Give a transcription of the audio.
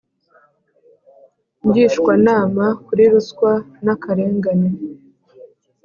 ngishwanama kuri ruswa n akarengane